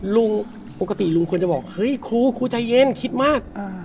ลุงปกติลุงควรจะบอกเฮ้ยครูครูใจเย็นคิดมาก